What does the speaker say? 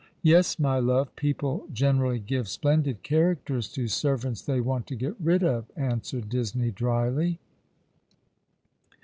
" Yes, my love, people generally give splendid characters to servants they want to get rid of," answered Disney, dryly.